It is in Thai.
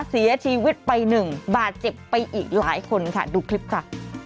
เสียชีวิตไปหนึ่งบาดเจ็บไปอีกหลายคนค่ะดูคลิปค่ะ